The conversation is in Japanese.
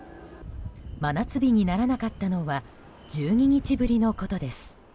真夏日にならなかったのは１２日ぶりのことです。